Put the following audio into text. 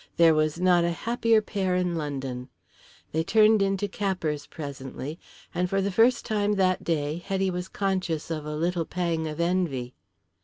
There was not a happier pair in London. They turned into Capper's presently, and for the first time that day Hetty was conscious of a little pang of envy.